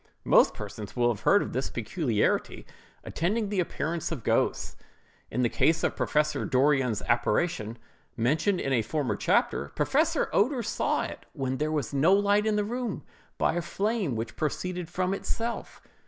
Most persons will have heard of this peculiarity attending the appearance of ghosts. In the case of Professor Dorrien's apparition, mentioned in a former chapter, Professor Oeder saw it, when there was no light in the room, by a flame which proceeded from itself.